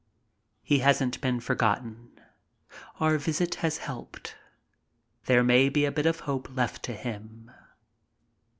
He hasn't been forgotten. Our visit has helped. There may be a bit of hope left to him.